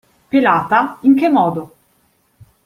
Pelata, in che modo?